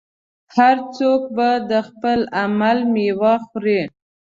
هر څوک به د خپل عمل میوه خوري.